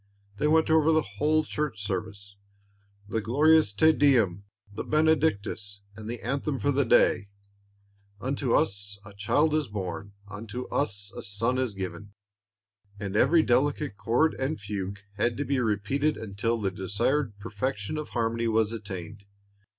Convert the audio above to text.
They went over the whole Church service, the glorious Te Deum, the Benedictus, and the anthem for the day, "Unto us a Child is born, unto us a Son is given," and every delicate chord and fugue had to be repeated until the desired perfection of harmony was attained.